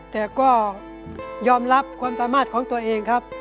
แต่ก็ยอมรับความสามารถของตัวเองครับ